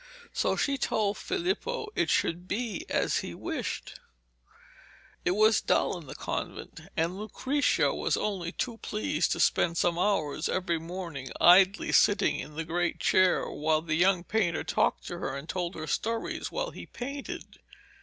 So she told Filippo it should be as he wished. It was dull in the convent, and Lucrezia was only too pleased to spend some hours every morning, idly sitting in the great chair, while the young painter talked to her and told her stories while he painted.